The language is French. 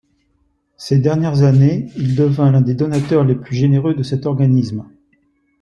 Ces dernières années, il devint l'un des donateurs les plus généreux de cet organisme.